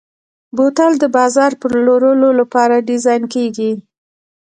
بوتل د بازار پلورلو لپاره ډیزاین کېږي.